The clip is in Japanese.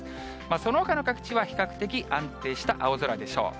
そのほかの各地は比較的安定した青空でしょう。